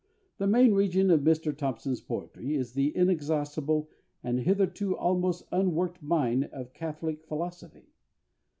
The main region of MR THOMPSON'S poetry is the inexhaustible and hitherto almost unworked mine of Catholic philosophy.